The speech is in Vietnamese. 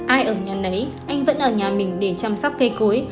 ai ở nhà nấy anh vẫn ở nhà mình để chăm sóc cây cối